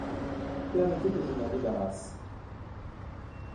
Permettez que je m’en débarrasse.